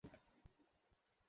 জ্বী, মামা।